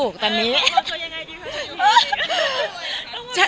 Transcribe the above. จริงค่ะไม่ต้องผลัก